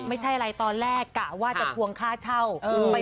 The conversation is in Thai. ไม่ใช่อะไรตอนแรกกะว่าจะทวงค่าเช่า